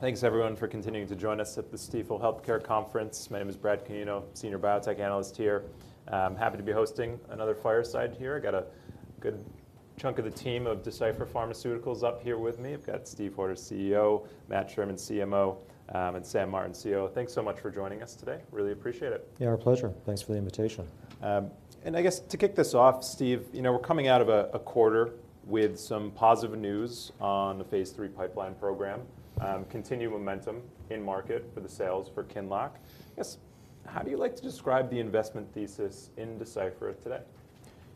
Thanks, everyone, for continuing to join us at the Stifel Healthcare Conference. My name is Bradley Canino, senior biotech analyst here. I'm happy to be hosting another fireside here. I've got a good chunk of the team of Deciphera Pharmaceuticals up here with me. I've got Steven Hoerter, CEO, Matthew Sherman, CMO, and Dan Martin, CCO. Thanks so much for joining us today. Really appreciate it. Yeah, our pleasure. Thanks for the invitation. I guess to kick this off, Steve, you know, we're coming out of a quarter with some positive news on the phase III pipeline program, continued momentum in market for the sales for QINLOCK. I guess, how do you like to describe the investment thesis in Deciphera today?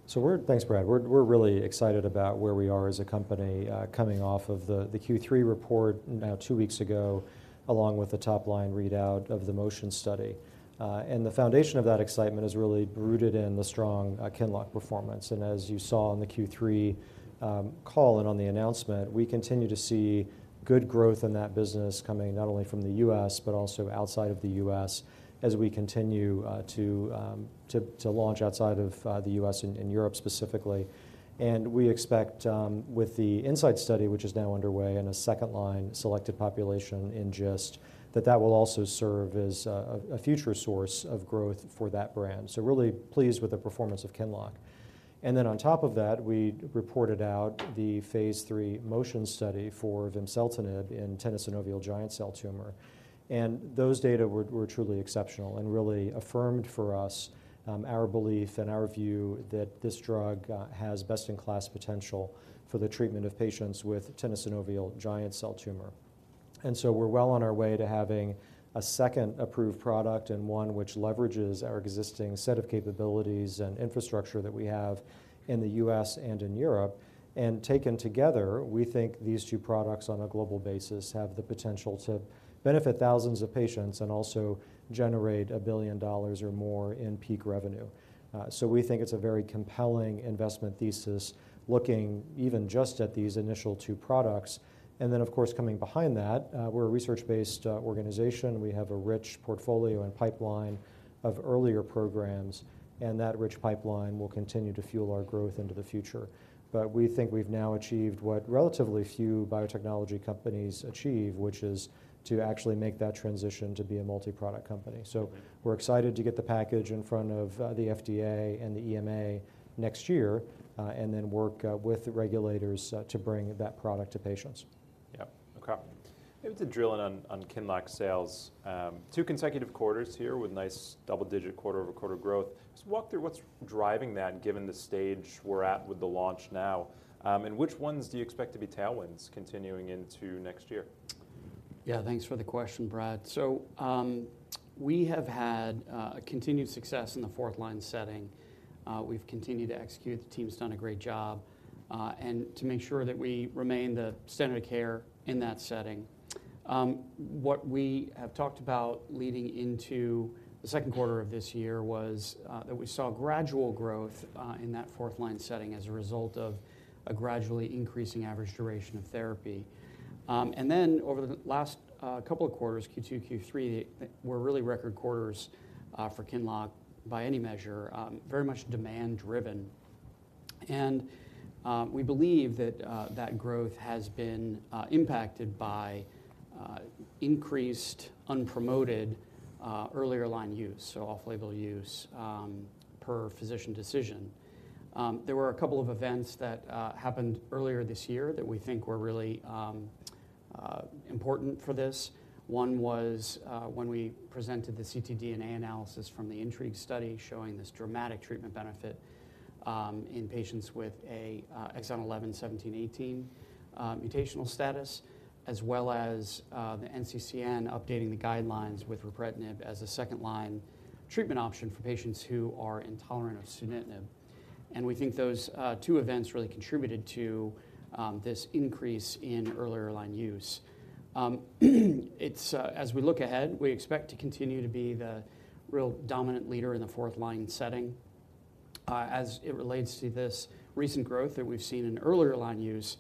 So we're—Thanks, Brad. We're really excited about where we are as a company, coming off of the Q3 report, now two weeks ago, along with the top-line readout of the MOTION study. And the foundation of that excitement is really rooted in the strong QINLOCK performance. And as you saw in the Q3 call and on the announcement, we continue to see good growth in that business coming not only from the U.S., but also outside of the U.S., as we continue to launch outside of the U.S., and in Europe, specifically. And we expect with the INSIGHT study, which is now underway, in a second-line selected population in GIST, that that will also serve as a future source of growth for that brand. So really pleased with the performance of QINLOCK. And then on top of that, we reported out the phase III MOTION study for vimseltinib in tenosynovial giant cell tumor, and those data were truly exceptional and really affirmed for us our belief and our view that this drug has best-in-class potential for the treatment of patients with tenosynovial giant cell tumor. And so we're well on our way to having a second approved product, and one which leverages our existing set of capabilities and infrastructure that we have in the U.S. and in Europe. And taken together, we think these two products, on a global basis, have the potential to benefit thousands of patients and also generate $1 billion or more in peak revenue. So we think it's a very compelling investment thesis, looking even just at these initial two products. And then, of course, coming behind that, we're a research-based organization. We have a rich portfolio and pipeline of earlier programs, and that rich pipeline will continue to fuel our growth into the future. But we think we've now achieved what relatively few biotechnology companies achieve, which is to actually make that transition to be a multi-product company. So we're excited to get the package in front of the FDA and the EMA next year, and then work with the regulators to bring that product to patients. Yeah. Okay. Maybe to drill in on QINLOCK sales, two consecutive quarters here with nice double-digit quarter-over-quarter growth. Just walk through what's driving that, given the stage we're at with the launch now, and which ones do you expect to be tailwinds continuing into next year? Yeah, thanks for the question, Brad. So, we have had continued success in the fourth-line setting. We've continued to execute, the team's done a great job, and to make sure that we remain the standard of care in that setting. What we have talked about leading into the second quarter of this year was that we saw gradual growth in that fourth-line setting as a result of a gradually increasing average duration of therapy. And then, over the last couple of quarters, Q2, Q3, were really record quarters for QINLOCK by any measure, very much demand driven. And we believe that that growth has been impacted by increased, unpromoted earlier line use, so off-label use, per physician decision. There were a couple of events that happened earlier this year that we think were really important for this. One was when we presented the ctDNA analysis from the INTRIGUE study, showing this dramatic treatment benefit in patients with a exon 11, 17, 18 mutational status, as well as the NCCN updating the guidelines with ripretinib as a second-line treatment option for patients who are intolerant of sunitinib. We think those two events really contributed to this increase in earlier line use. It's as we look ahead, we expect to continue to be the real dominant leader in the fourth-line setting. As it relates to this recent growth that we've seen in earlier line use,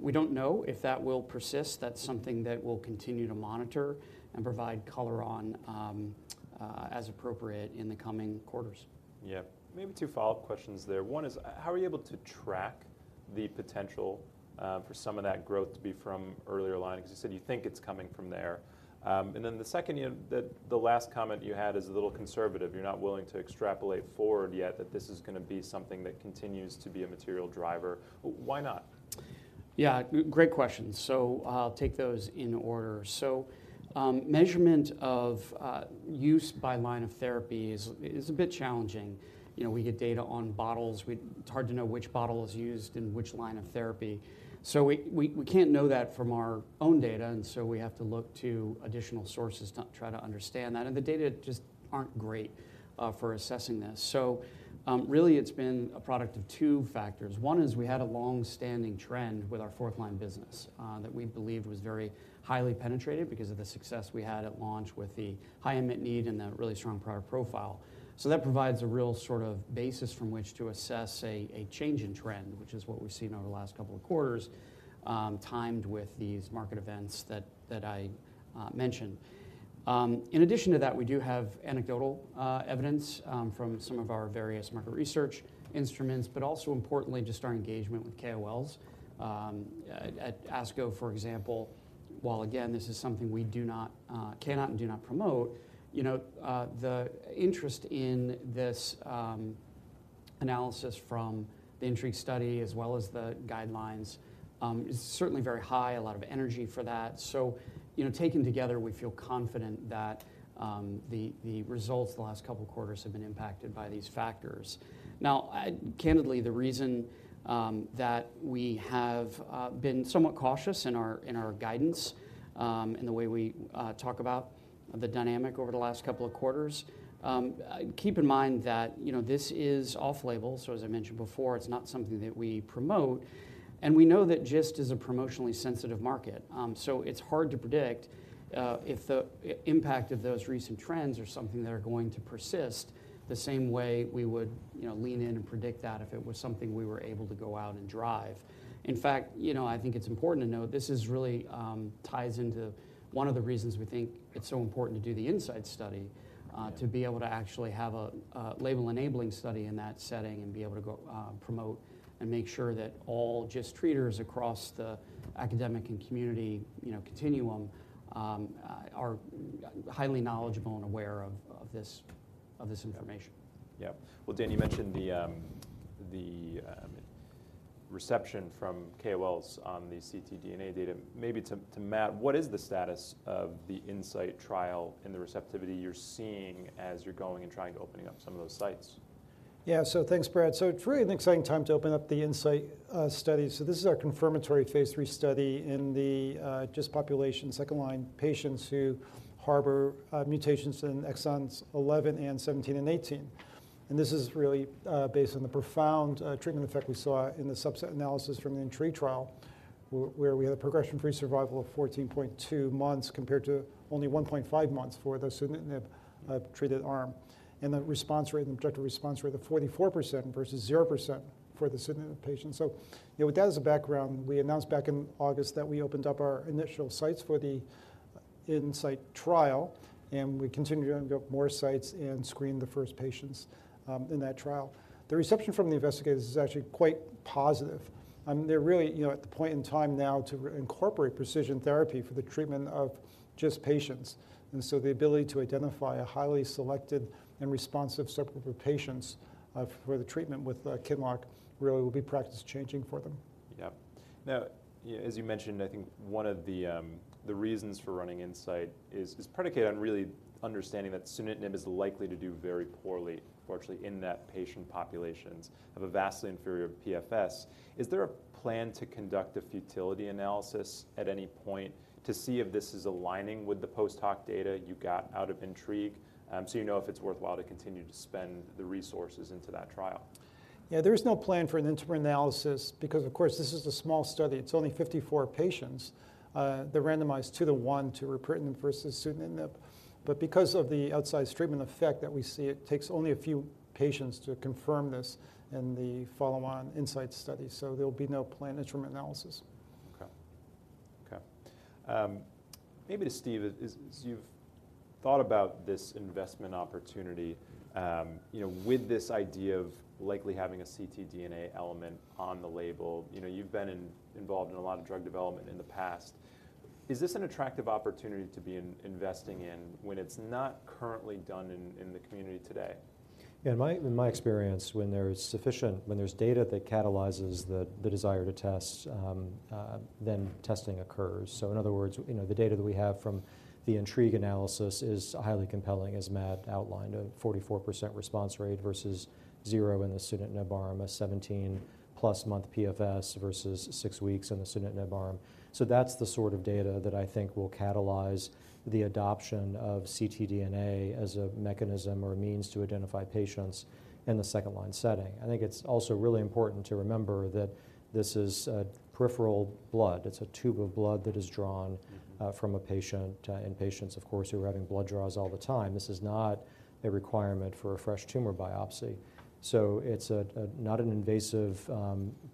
we don't know if that will persist. That's something that we'll continue to monitor and provide color on, as appropriate in the coming quarters. Yeah. Maybe two follow-up questions there. One is, how are you able to track the potential for some of that growth to be from earlier line? Because you said you think it's coming from there. And then the second, you know, the last comment you had is a little conservative. You're not willing to extrapolate forward yet, that this is gonna be something that continues to be a material driver. Why not? Yeah, great questions. So I'll take those in order. So, measurement of use by line of therapy is a bit challenging. You know, we get data on bottles. It's hard to know which bottle is used in which line of therapy. So we can't know that from our own data, and so we have to look to additional sources to try to understand that, and the data just aren't great for assessing this. So, really, it's been a product of two factors. One is we had a long-standing trend with our fourth-line business that we believed was very highly penetrated because of the success we had at launch with the high unmet need and the really strong product profile. So that provides a real sort of basis from which to assess a change in trend, which is what we've seen over the last couple of quarters, timed with these market events that I mentioned. In addition to that, we do have anecdotal evidence from some of our various market research instruments, but also importantly, just our engagement with KOLs. At ASCO, for example, while again, this is something we do not cannot and do not promote, you know, the interest in this analysis from the INTRIGUE study as well as the guidelines is certainly very high, a lot of energy for that. So, you know, taken together, we feel confident that the results the last couple of quarters have been impacted by these factors. Now, candidly, the reason that we have been somewhat cautious in our guidance, in the way we talk about the dynamic over the last couple of quarters, keep in mind that, you know, this is off-label. So as I mentioned before, it's not something that we promote, and we know that GIST is a promotionally sensitive market. So it's hard to predict if the impact of those recent trends are something that are going to persist the same way we would, you know, lean in and predict that if it was something we were able to go out and drive. In fact, you know, I think it's important to note this is really ties into one of the reasons we think it's so important to do the INSIGHT study, to be able to actually have a label-enabling study in that setting and be able to go promote and make sure that all GIST treaters across the academic and community, you know, continuum, are highly knowledgeable and aware of this information. Yeah. Well, Dan, you mentioned the reception from KOLs on the ctDNA data. Maybe to Matt, what is the status of the INSIGHT trial and the receptivity you're seeing as you're going and trying to opening up some of those sites? Yeah. So thanks, Brad. So it's really an exciting time to open up the INSIGHT study. So this is our confirmatory phase III study in the GIST population, second-line patients who harbor mutations in exons 11 and 17 and 18. And this is really based on the profound treatment effect we saw in the subset analysis from the INTRIGUE trial, where we had a progression-free survival of 14.2 months compared to only 1.5 months for the sunitinib treated arm. And the response rate, the objective response rate of 44% versus 0% for the sunitinib patients. So, you know, with that as a background, we announced back in August that we opened up our initial sites for the INSIGHT trial, and we continue to open up more sites and screen the first patients in that trial. The reception from the investigators is actually quite positive. They're really, you know, at the point in time now to incorporate precision therapy for the treatment of GIST patients. And so the ability to identify a highly selected and responsive subgroup of patients for the treatment with QINLOCK really will be practice-changing for them. Yeah. Now, as you mentioned, I think one of the reasons for running INSIGHT is predicated on really understanding that sunitinib is likely to do very poorly, unfortunately, in that patient populations, have a vastly inferior PFS. Is there a plan to conduct a futility analysis at any point to see if this is aligning with the post-hoc data you got out of INTRIGUE? So you know if it's worthwhile to continue to spend the resources into that trial. Yeah, there is no plan for an interim analysis because, of course, this is a small study. It's only 54 patients that randomized to ripretinib versus sunitinib. But because of the outsized treatment effect that we see, it takes only a few patients to confirm this in the follow-on INSIGHT study, so there will be no planned interim analysis. Okay. Maybe to Steven, as you've thought about this investment opportunity, you know, with this idea of likely having a ctDNA element on the label, you know, you've been involved in a lot of drug development in the past. Is this an attractive opportunity to be investing in when it's not currently done in the community today? Yeah, in my experience, when there is sufficient, when there's data that catalyzes the desire to test, then testing occurs. So in other words, you know, the data that we have from the INTRIGUE analysis is highly compelling, as Matt outlined, a 44% response rate versus zero in the sunitinib arm, a 17+-month PFS versus six weeks in the sunitinib arm. So that's the sort of data that I think will catalyze the adoption of ctDNA as a mechanism or a means to identify patients in the second line setting. I think it's also really important to remember that this is peripheral blood. It's a tube of blood that is drawn from a patient, and patients, of course, who are having blood draws all the time. This is not a requirement for a fresh tumor biopsy. So it's not an invasive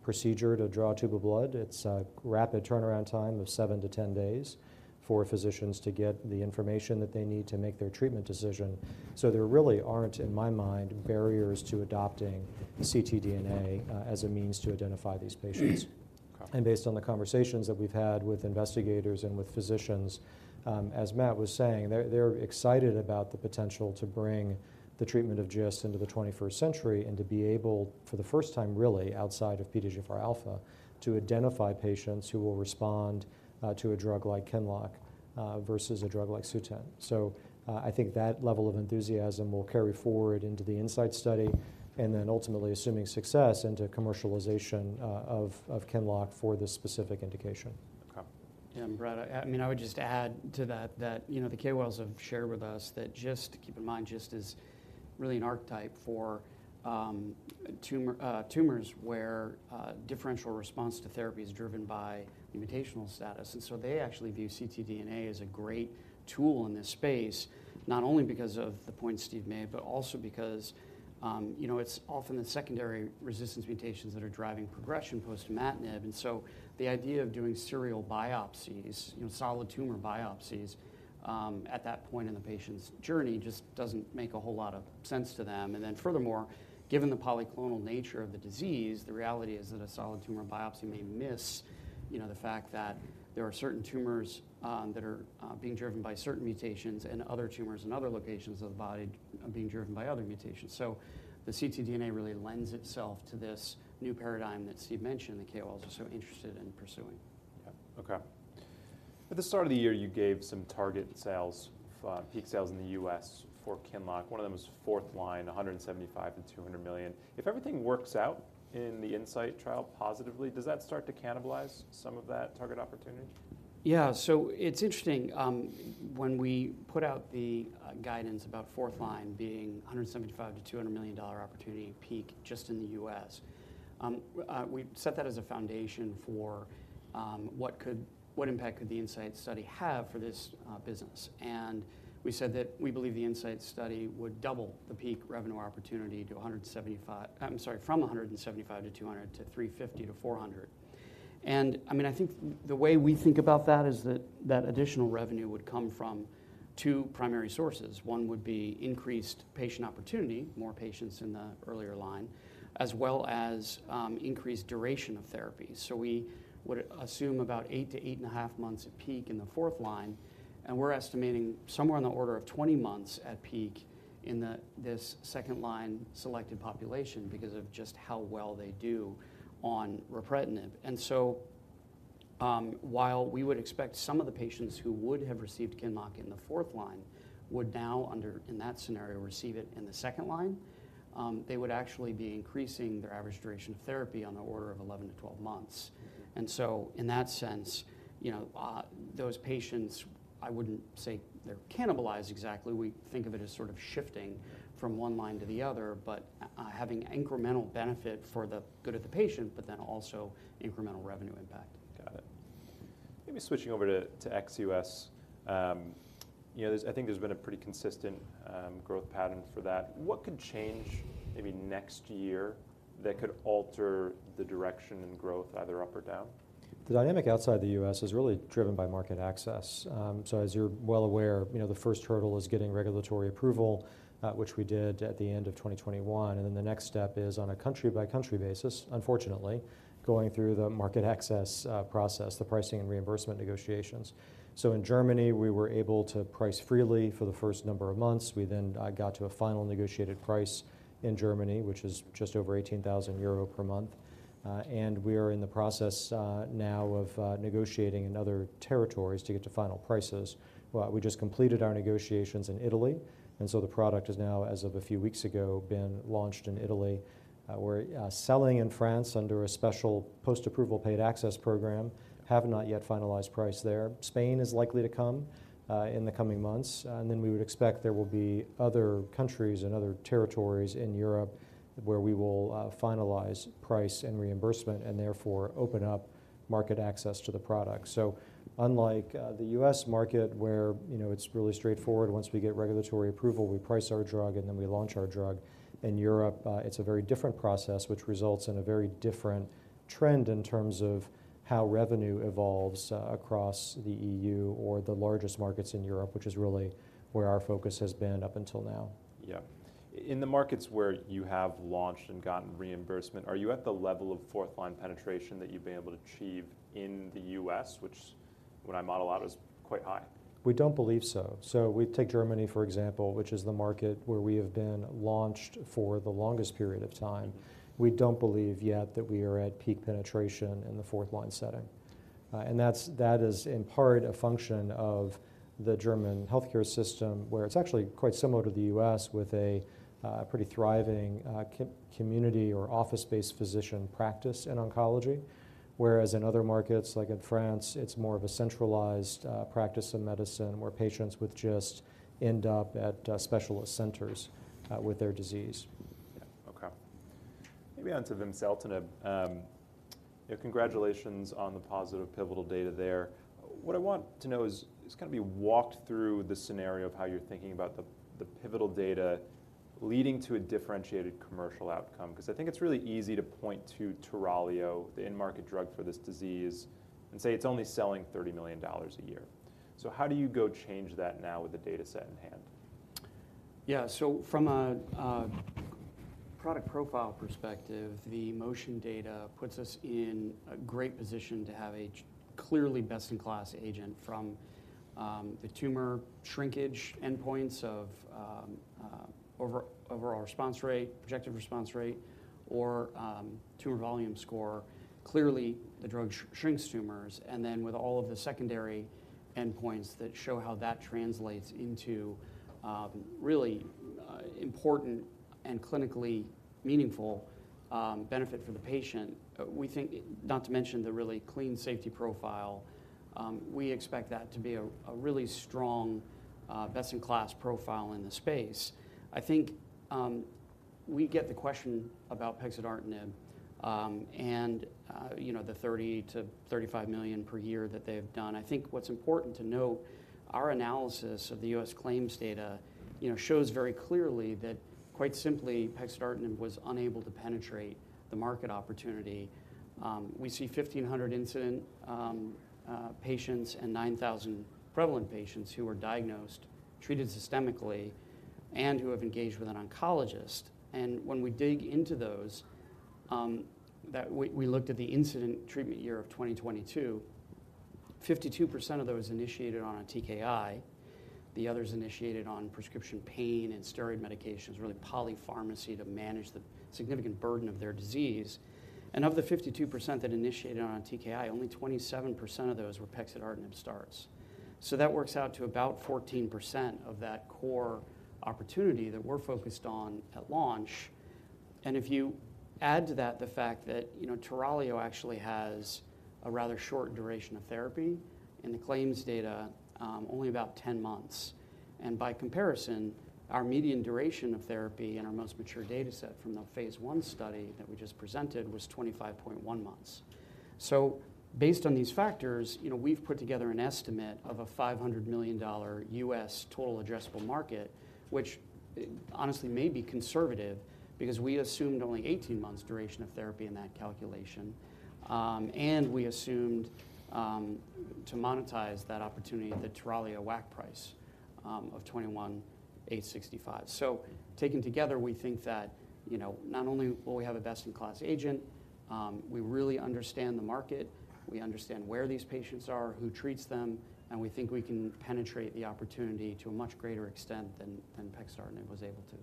procedure to draw a tube of blood. It's a rapid turnaround time of seven-10 days for physicians to get the information that they need to make their treatment decision. So there really aren't, in my mind, barriers to adopting ctDNA as a means to identify these patients. Okay. Based on the conversations that we've had with investigators and with physicians, as Matt was saying, they're excited about the potential to bring the treatment of GIST into the 21st century and to be able, for the first time, really, outside of PDGFR alpha, to identify patients who will respond to a drug like QINLOCK versus a drug like SUTENT. So, I think that level of enthusiasm will carry forward into the INSIGHT study and then ultimately, assuming success, into commercialization of QINLOCK for this specific indication. Okay. Yeah, and Brad, I mean, I would just add to that, that you know, the KOLs have shared with us that just to keep in mind, just is really an archetype for tumors, where differential response to therapy is driven by the mutational status. And so they actually view ctDNA as a great tool in this space, not only because of the point Steve made, but also because you know, it's often the secondary resistance mutations that are driving progression post-imatinib. And so the idea of doing serial biopsies, you know, solid tumor biopsies, at that point in the patient's journey, just doesn't make a whole lot of sense to them. And then furthermore, given the polyclonal nature of the disease, the reality is that a solid tumor biopsy may miss, you know, the fact that there are certain tumors that are being driven by certain mutations, and other tumors in other locations of the body being driven by other mutations. So the ctDNA really lends itself to this new paradigm that Steve mentioned, the KOLs are so interested in pursuing. Yeah. Okay. At the start of the year, you gave some target sales for peak sales in the U.S. for QINLOCK. One of them was fourth line, $175 million-$200 million. If everything works out in the INSIGHT trial positively, does that start to cannibalize some of that target opportunity? Yeah. So it's interesting, when we put out the, guidance about fourth line being $175 million-$200 million opportunity peak just in the U.S., we set that as a foundation for, what impact could the INSIGHT study have for this, business? And we said that we believe the INSIGHT study would double the peak revenue opportunity from $175 million-$200 million to $350 million-$400 million. And I mean, I think the way we think about that is that, that additional revenue would come from two primary sources. One would be increased patient opportunity, more patients in the earlier line, as well as, increased duration of therapy. So we would assume about eight to eight in half months of peak in the fourth line, and we're estimating somewhere in the order of 20 months at peak in the, this second line selected population, because of just how well they do on ripretinib. And so, while we would expect some of the patients who would have received QINLOCK in the fourth line would now, under, in that scenario, receive it in the second line, they would actually be increasing their average duration of therapy on the order of 11-12 months. And so in that sense, you know, those patients, I wouldn't say they're cannibalized exactly, we think of it as sort of shifting from one line to the other, but, having incremental benefit for the good of the patient, but then also incremental revenue impact. Got it. Maybe switching over to ex-U.S., you know, I think there's been a pretty consistent growth pattern for that. What could change maybe next year that could alter the direction and growth, either up or down? The dynamic outside the U.S. is really driven by market access. So as you're well aware, you know, the first hurdle is getting regulatory approval, which we did at the end of 2021, and then the next step is on a country-by-country basis, unfortunately, going through the market access process, the pricing and reimbursement negotiations. So in Germany, we were able to price freely for the first number of months. We then got to a final negotiated price in Germany, which is just over 18,000 euro per month. And we are in the process now of negotiating in other territories to get to final prices. We just completed our negotiations in Italy, and so the product is now, as of a few weeks ago, been launched in Italy. We're selling in France under a special post-approval paid access program, have not yet finalized price there. Spain is likely to come in the coming months, and then we would expect there will be other countries and other territories in Europe, where we will finalize price and reimbursement, and therefore, open up market access to the product. So unlike the U.S. market, where, you know, it's really straightforward, once we get regulatory approval, we price our drug, and then we launch our drug. In Europe, it's a very different process, which results in a very different trend in terms of how revenue evolves across the EU or the largest markets in Europe, which is really where our focus has been up until now. Yeah. In the markets where you have launched and gotten reimbursement, are you at the level of fourth-line penetration that you've been able to achieve in the U.S., which when I model out, is quite high? We don't believe so. So we take Germany, for example, which is the market where we have been launched for the longest period of time. We don't believe yet that we are at peak penetration in the fourth line setting. And that's, that is, in part, a function of the German healthcare system, where it's actually quite similar to the U.S., with a pretty thriving community or office-based physician practice in oncology. Whereas in other markets, like in France, it's more of a centralized practice of medicine, where patients just end up at specialist centers with their disease. Yeah. Okay. Maybe onto vimseltinib. Congratulations on the positive pivotal data there. What I want to know is, just kinda be walked through the scenario of how you're thinking about the, the pivotal data leading to a differentiated commercial outcome. Because I think it's really easy to point to TURALIO, the end market drug for this disease, and say it's only selling $30 million a year. So how do you go change that now with the data set in hand? Yeah, so from a product profile perspective, the MOTION data puts us in a great position to have a clearly best-in-class agent from the tumor shrinkage endpoints of overall, overall response rate, objective response rate, or tumor volume score. Clearly, the drug shrinks tumors, and then with all of the secondary endpoints that show how that translates into really important and clinically meaningful benefit for the patient, we think—not to mention the really clean safety profile, we expect that to be a really strong best-in-class profile in the space. I think, we get the question about pexidartinib, and you know, the $30 million-$35 million per year that they've done. I think what's important to note, our analysis of the U.S. claims data, you know, shows very clearly that quite simply, pexidartinib was unable to penetrate the market opportunity. We see 1,500 incident patients and 9,000 prevalent patients who were diagnosed, treated systemically, and who have engaged with an oncologist. When we dig into those, we looked at the incident treatment year of 2022, 52% of those initiated on a TKI, the others initiated on prescription pain and steroid medications, really polypharmacy to manage the significant burden of their disease. Of the 52% that initiated on a TKI, only 27% of those were pexidartinib starts. That works out to about 14% of that core opportunity that we're focused on at launch. And if you add to that the fact that, you know, TURALIO actually has a rather short duration of therapy, in the claims data, only about 10 months. And by comparison, our median duration of therapy in our most mature data set from the phase I study that we just presented was 25.1 months. So based on these factors, you know, we've put together an estimate of a $500 million U.S. total addressable market, which, honestly may be conservative, because we assumed only 18 months duration of therapy in that calculation. And we assumed, to monetize that opportunity, the TURALIO WAC price of $21,865. Taken together, we think that, you know, not only will we have a best-in-class agent, we really understand the market, we understand where these patients are, who treats them, and we think we can penetrate the opportunity to a much greater extent than pexidartinib was able to.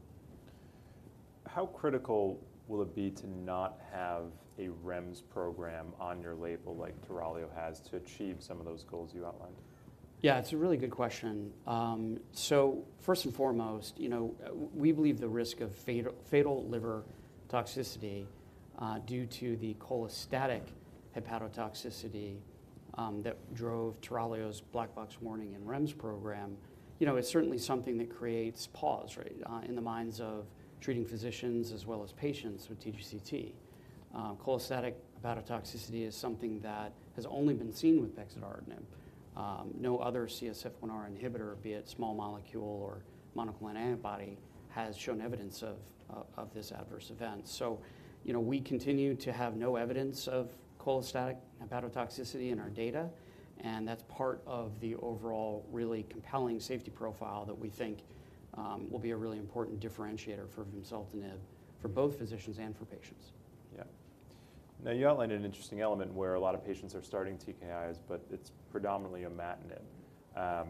How critical will it be to not have a REMS program on your label like TURALIO has to achieve some of those goals you outlined? Yeah, it's a really good question. So first and foremost, you know, we believe the risk of fatal, fatal liver toxicity due to the cholestatic hepatotoxicity that drove TURALIO's black box warning in REMS program, you know, is certainly something that creates pause, right, in the minds of treating physicians as well as patients with TGCT. Cholestatic hepatotoxicity is something that has only been seen with pexidartinib. No other CSF1R inhibitor, be it small molecule or monoclonal antibody, has shown evidence of, of this adverse event. So, you know, we continue to have no evidence of cholestatic hepatotoxicity in our data, and that's part of the overall really compelling safety profile that we think will be a really important differentiator for vimseltinib, for both physicians and for patients. Yeah. Now, you outlined an interesting element where a lot of patients are starting TKIs, but it's predominantly imatinib.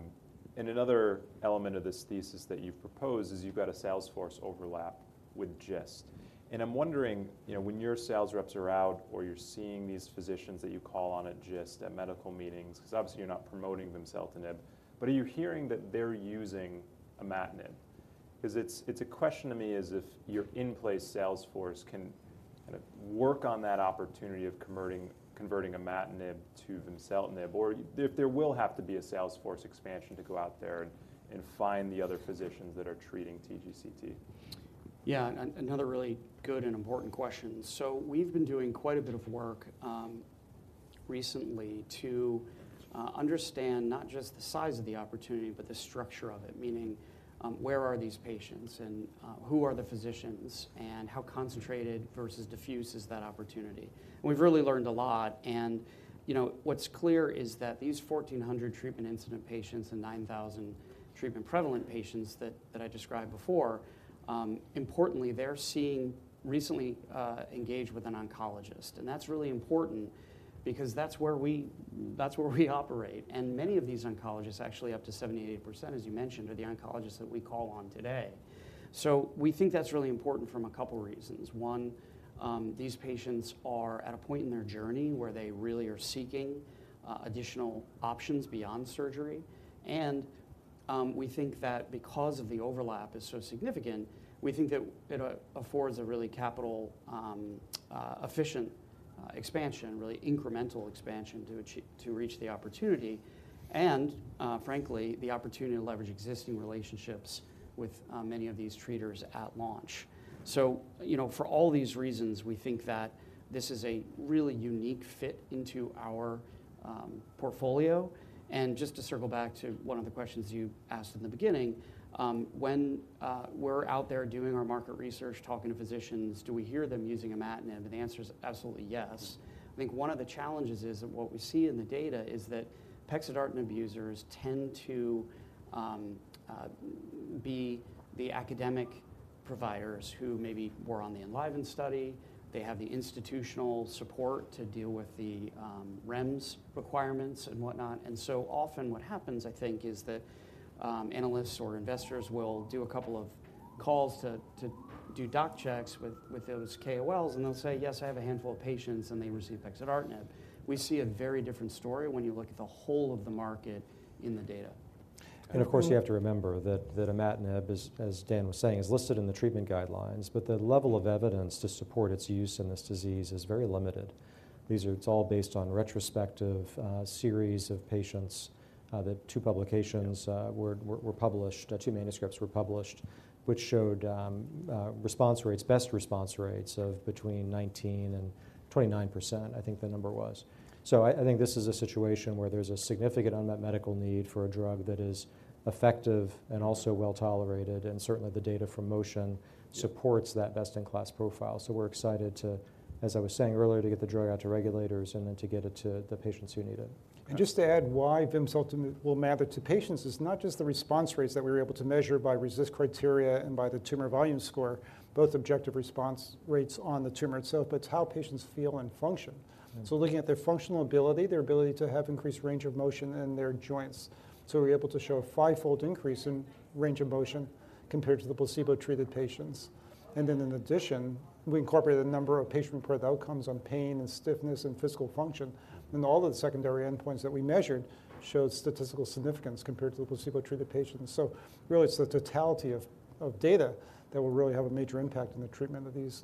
And another element of this thesis that you've proposed is you've got a sales force overlap with GIST. And I'm wondering, you know, when your sales reps are out, or you're seeing these physicians that you call on at GIST, at medical meetings, because obviously, you're not promoting vimseltinib, but are you hearing that they're using imatinib? 'Cause it's a question to me is if your in-place sales force can kind of work on that opportunity of converting imatinib to vimseltinib, or if there will have to be a sales force expansion to go out there and find the other physicians that are treating TGCT. Yeah, another really good and important question. So we've been doing quite a bit of work, recently to understand not just the size of the opportunity, but the structure of it. Meaning, where are these patients, and who are the physicians, and how concentrated versus diffuse is that opportunity? We've really learned a lot, and, you know, what's clear is that these 1,400 treatment incident patients and 9,000 treatment prevalent patients that, that I described before, importantly, they're seeing-- recently engaged with an oncologist. And that's really important because that's where we, that's where we operate. And many of these oncologists, actually, up to 70%-80%, as you mentioned, are the oncologists that we call on today. So we think that's really important from a couple reasons. One, these patients are at a point in their journey where they really are seeking additional options beyond surgery. We think that because of the overlap is so significant, we think that it affords a really capital efficient expansion, really incremental expansion to reach the opportunity, and frankly, the opportunity to leverage existing relationships with many of these treaters at launch. So, you know, for all these reasons, we think that this is a really unique fit into our portfolio. Just to circle back to one of the questions you asked in the beginning, when we're out there doing our market research, talking to physicians, do we hear them using imatinib? The answer is absolutely yes. I think one of the challenges is, and what we see in the data, is that pexidartinib abusers tend to be the academic providers who maybe were on the ENLIVEN study. They have the institutional support to deal with the REMS requirements and whatnot. And so often what happens, I think, is that analysts or investors will do a couple of calls to do doc checks with those KOLs, and they'll say, "Yes, I have a handful of patients, and they receive pexidartinib." We see a very different story when you look at the whole of the market in the data. And of course, you have to remember that imatinib, as Dan was saying, is listed in the treatment guidelines, but the level of evidence to support its use in this disease is very limited. These are all based on retrospective series of patients. Two manuscripts were published, which showed best response rates of between 19% and 29%, I think the number was. So I think this is a situation where there's a significant unmet medical need for a drug that is effective and also well-tolerated, and certainly, the data from MOTION supports that best-in-class profile. So we're excited to, as I was saying earlier, to get the drug out to regulators and then to get it to the patients who need it. Just to add why vimseltinib will matter to patients is not just the response rates that we were able to measure by RECIST criteria and by the tumor volume score, both objective response rates on the tumor itself, but it's how patients feel and function. Mm. So looking at their functional ability, their ability to have increased range of motion in their joints. We're able to show a fivefold increase in range of motion compared to the placebo-treated patients. In addition, we incorporated a number of patient-reported outcomes on pain and stiffness and physical function, and all of the secondary endpoints that we measured showed statistical significance compared to the placebo-treated patients. Really, it's the totality of data that will really have a major impact on the treatment of these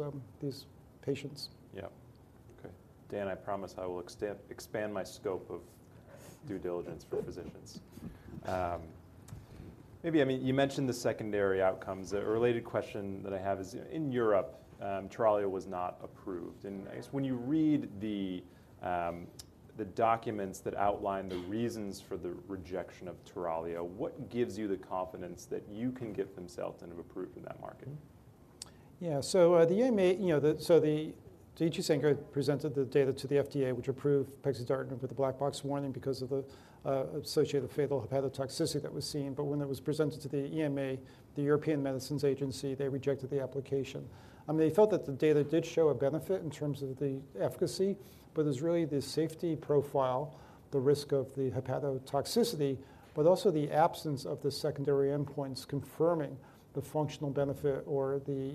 patients. Yeah. Okay. Dan, I promise I will extend, expand my scope of due diligence for physicians. Maybe, I mean, you mentioned the secondary outcomes. A related question that I have is, in Europe, TURALIO was not approved. And I guess when you read the documents that outline the reasons for the rejection of TURALIO, what gives you the confidence that you can get vimseltinib approved in that market? Yeah, so the EMA, you know. So the TGCT presented the data to the FDA, which approved pexidartinib with a black box warning because of the associated fatal hepatotoxicity that was seen. But when it was presented to the EMA, the European Medicines Agency, they rejected the application. I mean, they felt that the data did show a benefit in terms of the efficacy, but it's really the safety profile, the risk of the hepatotoxicity, but also the absence of the secondary endpoints confirming the functional benefit or the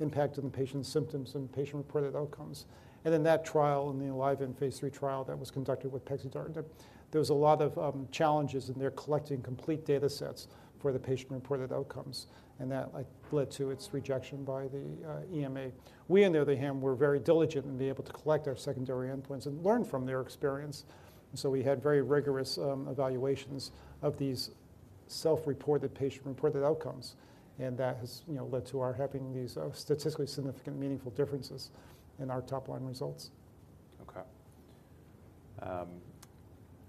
impact on the patient's symptoms and patient-reported outcomes. And in that trial, in the ENLIVEN phase III trial that was conducted with pexidartinib, there was a lot of challenges in their collecting complete data sets for the patient-reported outcomes, and that, like, led to its rejection by the EMA. We, on the other hand, were very diligent in being able to collect our secondary endpoints and learn from their experience, so we had very rigorous evaluations of these self-reported, patient-reported outcomes, and that has, you know, led to our having these statistically significant, meaningful differences in our top-line results. Okay.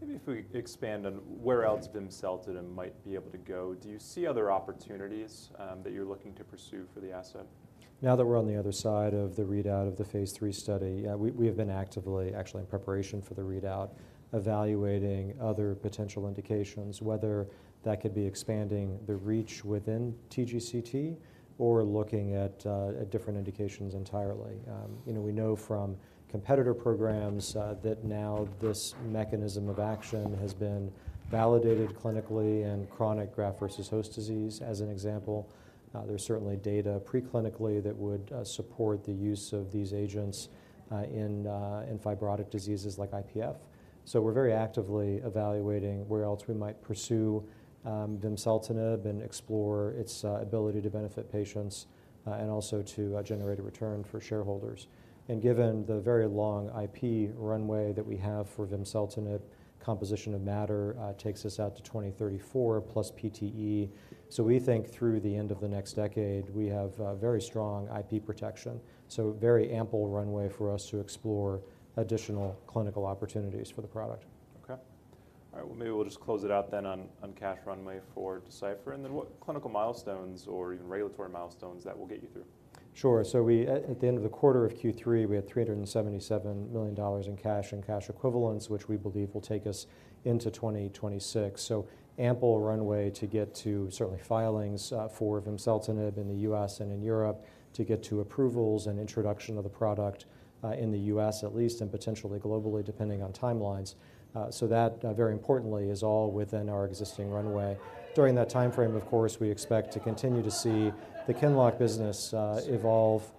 Maybe if we expand on where else vimseltinib might be able to go, do you see other opportunities, that you're looking to pursue for the asset? Now that we're on the other side of the readout of the phase III study, yeah, we, we have been actively, actually in preparation for the readout, evaluating other potential indications, whether that could be expanding the reach within TGCT or looking at, at different indications entirely. You know, we know from competitor programs, that now this mechanism of action has been validated clinically in chronic graft versus host disease, as an example. There's certainly data preclinically that would, support the use of these agents, in, in fibrotic diseases like IPF. So we're very actively evaluating where else we might pursue, vimseltinib and explore its, ability to benefit patients, and also to, generate a return for shareholders. Given the very long IP runway that we have for vimseltinib, composition of matter takes us out to 2034 plus PTE. We think through the end of the next decade, we have very strong IP protection, so very ample runway for us to explore additional clinical opportunities for the product. Okay. All right, well, maybe we'll just close it out then on cash runway for Deciphera, and then what clinical milestones or even regulatory milestones that will get you through? Sure. So we at the end of the quarter of Q3 had $377 million in cash and cash equivalents, which we believe will take us into 2026. So ample runway to get to certainly filings for vimseltinib in the U.S. and in Europe, to get to approvals and introduction of the product in the U.S. at least, and potentially globally, depending on timelines. So that very importantly is all within our existing runway. During that time frame, of course, we expect to continue to see the QINLOCK business evolve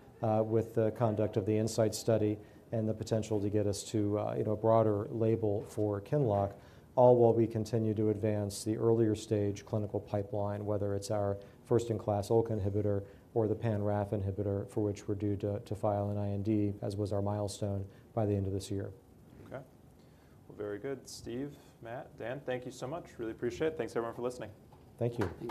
with the conduct of the INSIGHT study and the potential to get us to, you know, a broader label for QINLOCK, all while we continue to advance the earlier stage clinical pipeline, whether it's our first-in-class ULK inhibitor or the pan-RAF inhibitor, for which we're due to file an IND, as was our milestone by the end of this year. Okay. Well, very good. Steve, Matt, Dan, thank you so much. Really appreciate it. Thanks, everyone, for listening. Thank you.